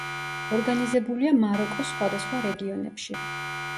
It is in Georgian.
ორგანიზებულია მაროკოს სხვადასხვა რეგიონებში.